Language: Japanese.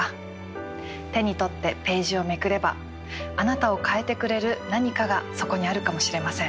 手に取ってページをめくればあなたを変えてくれる何かがそこにあるかもしれません。